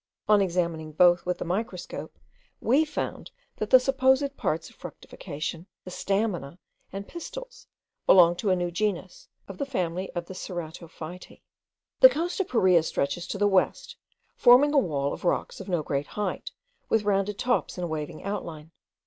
On examining both with the microscope, we found that the supposed parts of fructification, the stamina and pistils, belong to a new genus, of the family of the Ceratophytae. The coast of Paria stretches to the west, forming a wall of rocks of no great height, with rounded tops and a waving outline.